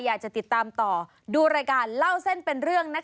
อยากจะติดตามต่อดูรายการเล่าเส้นเป็นเรื่องนะคะ